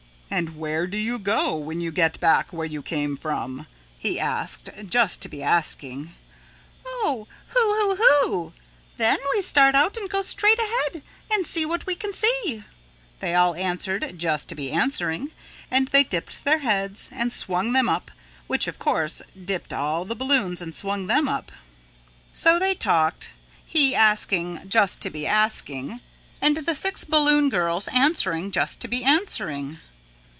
"And where do you go when you get back where you came from?" he asked just to be asking. "Oh, hoo hoo hoo, then we start out and go straight ahead and see what we can see," they all answered just to be answering and they dipped their heads and swung them up which of course dipped all the balloons and swung them up. So they talked, he asking just to be asking and the six balloon girls answering just to be answering.